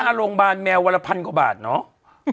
โรงพยาบาลแมววันละพันกว่าบาทเนาะ